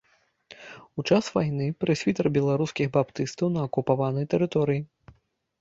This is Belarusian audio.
У час вайны прэсвітэр беларускіх баптыстаў на акупіраванай тэрыторыі.